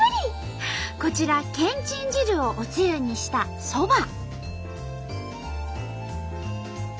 こちらけんちん汁をおつゆにしたそば。